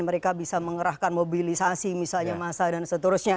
mereka bisa mengerahkan mobilisasi misalnya masa dan seterusnya